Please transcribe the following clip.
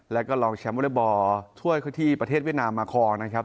และก็ลองแชมป์วรรยบอร์ทั่วที่ประเทศเวียดนามมาคลองนะครับ